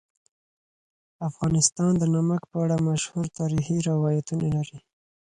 افغانستان د نمک په اړه مشهور تاریخی روایتونه لري.